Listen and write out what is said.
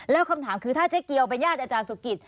แล้วคำถามคือถ้าเจ๊เกียวเป็นญาติอาจารย์สุกิต